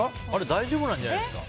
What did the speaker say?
大丈夫なんじゃないですか。